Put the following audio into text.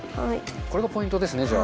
これがポイントですねじゃあ。